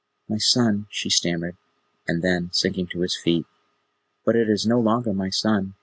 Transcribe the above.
"My son," she stammered; and then, sinking to his feet: "But it is no longer my son.